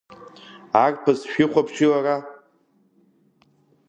Арԥыс шәихәаԥши уара!